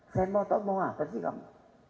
saya mau tahu mau ngapar sih kamu